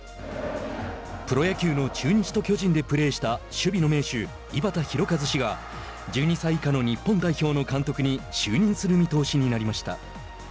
プロ野球の中日と巨人でプレーした守備の名手井端弘和氏が１２歳以下の日本代表の監督に就任する見通しになりました。